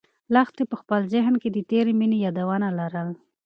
لښتې په خپل ذهن کې د تېرې مېنې یادونه لرل.